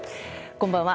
こんばんは。